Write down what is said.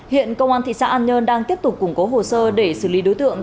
hiện công an thị xã an nhơn đang tiếp tục củng cố hồ sơ để xử lý đối tượng